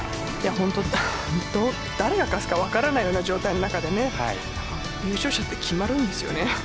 本当、誰が勝つか分からないような状態の中で優勝者って決まるんですよね。